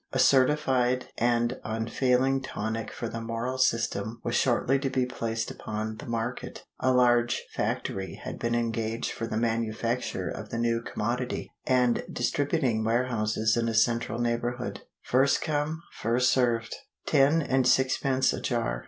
A certified and unfailing tonic for the moral system was shortly to be placed upon the market. A large factory had been engaged for the manufacture of the new commodity, and distributing warehouses in a central neighborhood. First come, first served. Ten and sixpence a jar.